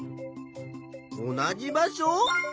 同じ場所？